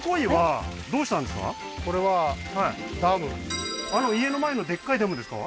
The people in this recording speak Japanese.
鯉あの家の前のでっかいダムですか？